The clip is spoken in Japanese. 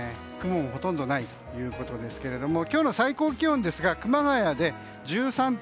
雲もほとんどないということですが今日の最高気温ですが熊谷で１３．６度。